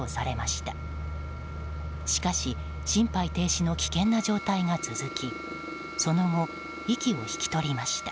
しかし心肺停止の危険な状態が続きその後、息を引き取りました。